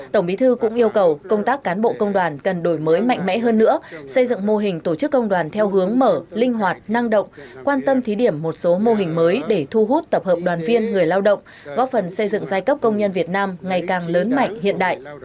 tổng bí thư cũng yêu cầu công tác cán bộ công đoàn cần đổi mới mạnh mẽ hơn nữa xây dựng mô hình tổ chức công đoàn theo hướng mở linh hoạt năng động quan tâm thí điểm một số mô hình mới để thu hút tập hợp đoàn viên người lao động góp phần xây dựng giai cấp công nhân việt nam ngày càng lớn mạnh hiện đại